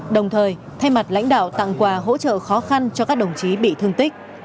đồng thời thay mặt lãnh đạo tặng quà hỗ trợ khó khăn cho các đồng chí bị thương tích